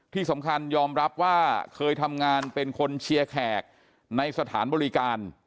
ที่สำคัญยอมรับว่าเคยทำงานเป็นคนเชียร์แขกในสถานบริการ